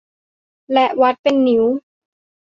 และวัดเป็นนิ้ว